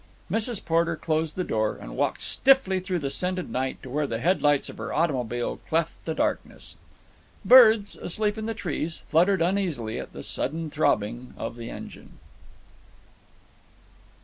Mrs. Porter closed the door and walked stiffly through the scented night to where the headlights of her automobile cleft the darkness. Birds, asleep in the trees, fluttered uneasily at the sudden throbbing of the engine.